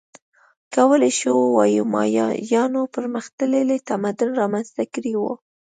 کولای شو ووایو مایایانو پرمختللی تمدن رامنځته کړی و